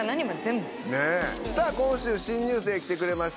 さぁ今週新入生来てくれました。